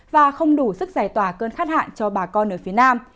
và không đủ sức giải tỏa cơn khát hạn cho bà con ở phía nam